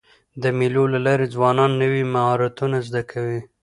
د مېلو له لاري ځوانان نوي مهارتونه زده کوي.